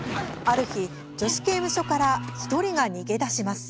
ある日、女子刑務所から１人が逃げ出します。